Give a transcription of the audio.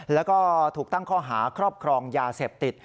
แล้วก็ถูกตั้งข้อหาครอบครองยาเสพติด